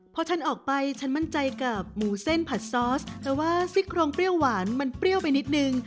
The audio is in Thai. พอฉันออกไปฉันมั่นใจกับหมูเส้นผัดซอสแต่ว่าซี่โครงเปรี้ยวหวานมันเปรี้ยวไปนิดนึง